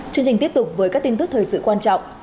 chương trình tiếp tục với các tin tức thời sự quan trọng